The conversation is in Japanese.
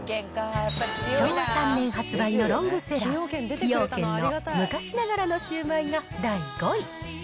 昭和３年発売のロングセラー、崎陽軒の昔ながらのシウマイが第５位。